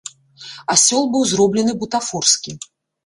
Асёл быў зроблены бутафорскі.